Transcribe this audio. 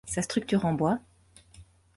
Sa structure en bois.